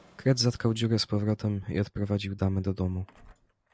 "Kret zatkał dziurę z powrotem i odprowadził damy do domu."